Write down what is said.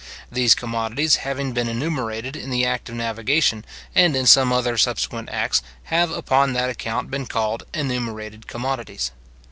These commodities having been enumerated in the act of navigation, and in some other subsequent acts, have upon that account been called enumerated commodities.